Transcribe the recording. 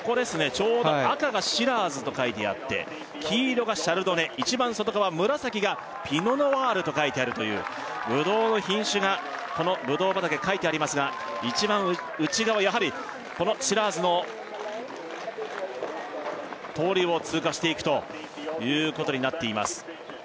ちょうど赤がシラーズと書いてあって黄色がシャルドネ一番外側紫がピノノワールと書いてあるというぶどうの品種がこのぶどう畑に書いてありますが一番内側やはりこのシラーズの通りを通過していくということになっています